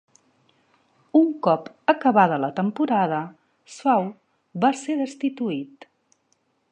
Un cop acabada la temporada, Shaw va ser destituït.